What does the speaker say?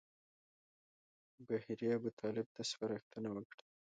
بهیري ابوطالب ته سپارښتنه وکړه.